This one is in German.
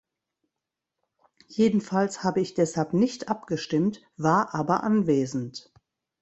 Jedenfalls habe ich deshalb nicht abgestimmt, war aber anwesend.